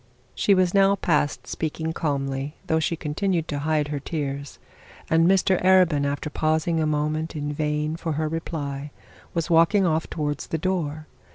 She was now past speaking calmly, though she still continued to hide her tears, and Mr Arabin, after pausing a moment in vain for her reply, was walking off towards the door.